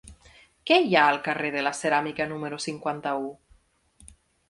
Què hi ha al carrer de la Ceràmica número cinquanta-u?